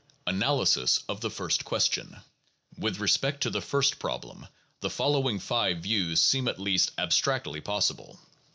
Analysis of the First Question With respect to the first problem the following five views seem at least abstractly possible.